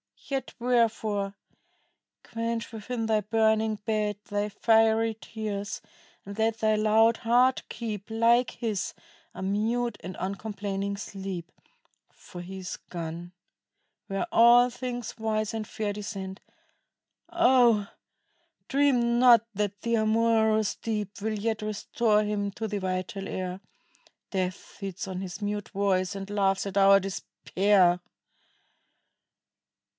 Yet wherefore? Quench within thy burning bed Thy fiery tears, and let thy loud heart keep, Like his, a mute and uncomplaining sleep; For he is gone, where all things wise and fair Descend: oh, dream not that the amorous Deep Will yet restore him to the vital air; Death feeds on his mute voice and laughs at our despair.